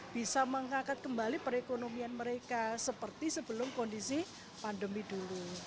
bisa mengangkat kembali perekonomian mereka seperti sebelum kondisi pandemi dulu